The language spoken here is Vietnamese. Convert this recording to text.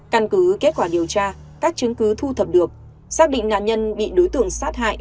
căn cứ kết quả điều tra các chứng cứ thu thập được xác định nạn nhân bị đối tượng sát hại